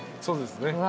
そうですね。